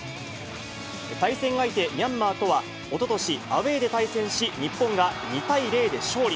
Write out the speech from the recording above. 対戦相手、ミャンマーとは、おととし、アウエーで対戦し、日本が２対０で勝利。